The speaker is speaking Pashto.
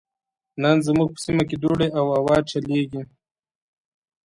نن زموږ په سيمه کې دوړې او هوا چليږي.